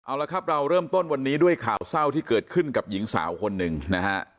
เอาละครับเราเริ่มต้นวันนี้ด้วยข่าวเศร้าที่เกิดขึ้นกับหญิงสาวคนหนึ่งนะฮะ